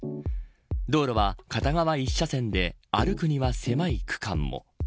道路は片側１車線で歩くには狭い区間も。